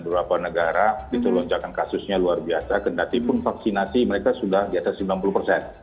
beberapa negara itu lonjakan kasusnya luar biasa ketatipun vaksinasi mereka sudah di atas